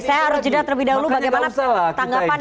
saya harus jeda terlebih dahulu bagaimana tanggapan